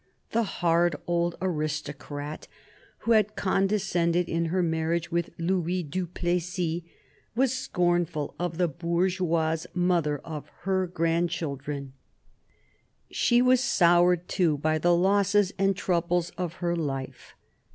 The hard old aristocrat who had condescended in her marriage with Louis du Plessis was scornful of the bourgeoise mother of her grandchildren. She was soured too by the losses and troubles of her life.